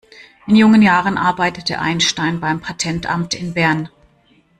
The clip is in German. In jungen Jahren arbeitete Einstein beim Patentamt in Bern.